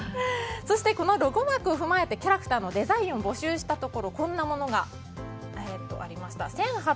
そしてこのロゴマークを踏まえてキャラクターのデザインを募集したところこんなものがありました。